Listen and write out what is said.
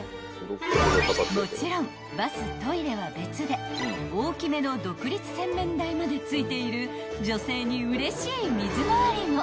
［もちろんバストイレは別で大きめの独立洗面台までついている女性にうれしい水回りも］